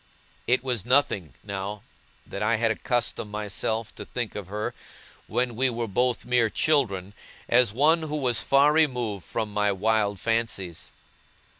It was nothing, now, that I had accustomed myself to think of her, when we were both mere children, as one who was far removed from my wild fancies.